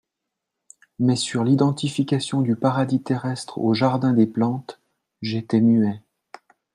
Mais sur l'identification du Paradis terrestre au Jardin des Plantes, j'étais muet.